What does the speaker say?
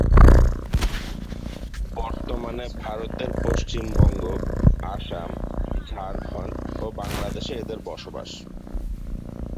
বর্তমানে ভারতের পশ্চিমবঙ্গ, আসাম, ঝাড়খন্ড ও বাংলাদেশে এদের বসবাস।